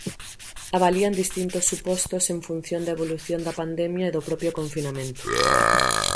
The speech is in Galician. Avalían distintos supostos en función da evolución da pandemia e do propio confinamento.